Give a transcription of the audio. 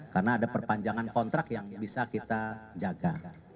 karena ada perpanjangan kontrak yang bisa kita jaga